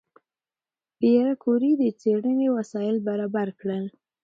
پېیر کوري د څېړنې وسایل برابر کړل.